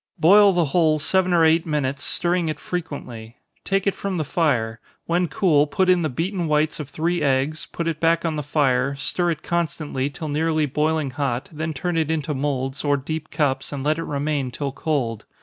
Boil the whole seven or eight minutes, stirring it frequently. Take it from the fire when cool, put in the beaten whites of three eggs, put it back on the fire, stir it constantly till nearly boiling hot, then turn it into moulds, or deep cups, and let it remain till cold.